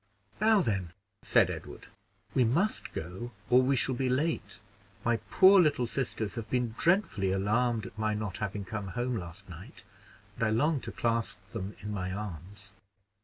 "Now then," said Edward, "we must go, or we shall be late. My poor little sisters have been dreadfully alarmed at my not having come home last night, and I long to clasp them in my arms."